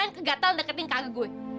lo yang kegatel dan deketin kakak gue